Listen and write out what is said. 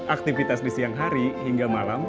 aktivitas di siang hari hingga malam